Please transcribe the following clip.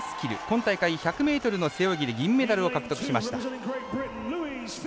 今大会１００ｍの背泳ぎで銀メダルを獲得しました。